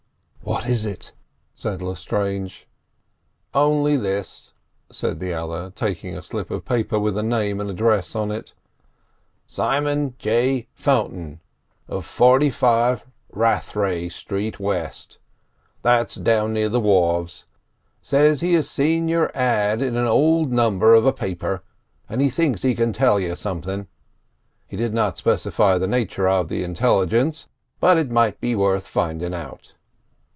"What is it?" said Lestrange. "Only this," said the other, taking up a slip of paper with a name and address on it. "Simon J. Fountain, of 45 Rathray Street, West—that's down near the wharves—says he has seen your ad. in an old number of a paper, and he thinks he can tell you something. He did not specify the nature of the intelligence, but it might be worth finding out."